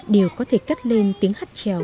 đều có thể cắt lên tiếng hát trèo